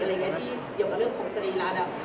หรือนึงทีเดียวกับเรื่องของสรีร้านแล้ว